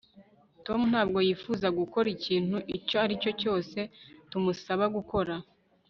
Tom ntabwo yifuza gukora ikintu icyo ari cyo cyose tumusaba gukora